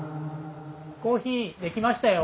コーヒー出来ましたよ。